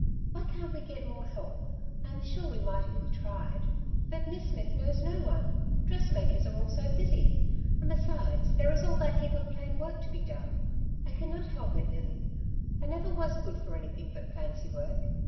Why can^t we get more help ? I am sure we might if we tried/' ^'But Miss Smith knows no one — dressmakers are all so busy ; and besides there is all that heap of plain work to be done/' '* I cannot help it, Lily ; I never was good for anything but fancy work.